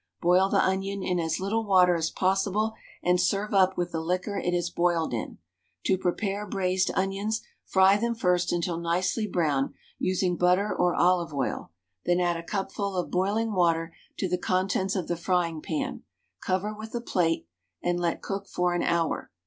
Boil the onion in as little water as possible and serve up with the liquor it is boiled in. To prepare braized onions, fry them first until nicely brown, using butter or olive oil, then add a cupful of boiling water to the contents of the frying pan, cover with a plate, and let cook for an hour.